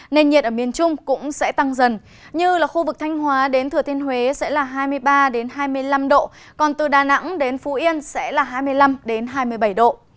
nền nhiệt ở miền trung cũng sẽ tăng dần như là khu vực thanh hóa đến thừa thiên huế sẽ là hai mươi ba hai mươi năm độ còn từ đà nẵng đến phú yên sẽ là hai mươi năm hai mươi bảy độ